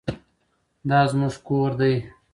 دا زموږ کور دی.